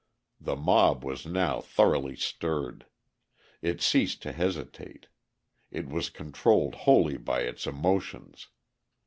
The mob was now thoroughly stirred; it ceased to hesitate; it was controlled wholly by its emotions.